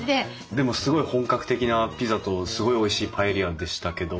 でもすごい本格的なピザとすごいおいしいパエリアでしたけど。